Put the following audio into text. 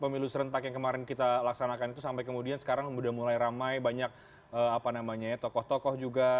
pemilu serentak yang kemarin kita laksanakan itu sampai kemudian sekarang sudah mulai ramai banyak tokoh tokoh juga